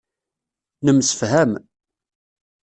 Nemsefham.